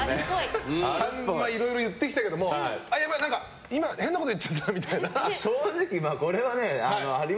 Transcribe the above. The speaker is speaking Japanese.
いろいろ言ってきたけれどもやばい、今、変なこと言っちゃったなみたいな。